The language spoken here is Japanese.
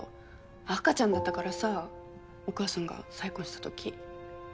赤ちゃんだったからさお母さんが再婚したとき。